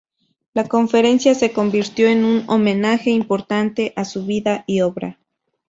La Conferencia se convirtió en un homenaje importante a su vida y obra.